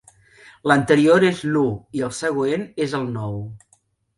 L'anterior és l'u i el següent és el nou.